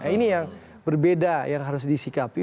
ini yang berbeda yang harus disikapi